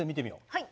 はい。